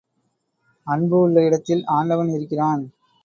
அன்பு உள்ள இடத்தில் ஆண்டவன் இருக்கிறான்.